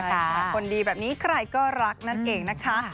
คนดีแบบนี้ใครก็รักนั่นเองนะคะ